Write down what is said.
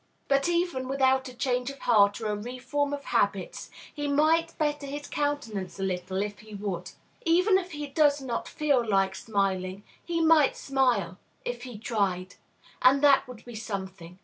But, even without a change of heart or a reform of habits, he might better his countenance a little, if he would. Even if he does not feel like smiling, he might smile, if he tried; and that would be something.